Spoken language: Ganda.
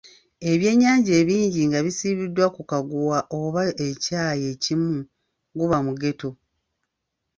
Ebyennyanja ebingi nga bisibiddwa ku kaguwa oba ekyayi ekimu guba mugeto